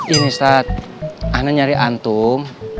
ini ustaz anak nyari antung